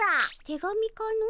手紙かの？